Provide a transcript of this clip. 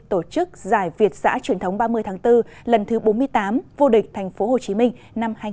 tổ chức giải việt giã truyền thống ba mươi tháng bốn lần thứ bốn mươi tám vô địch thành phố hồ chí minh năm hai nghìn hai mươi bốn